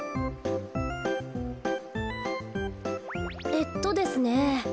えっとですね。